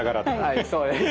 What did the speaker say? はいそうです。